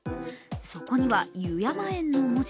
そこには油山苑の文字。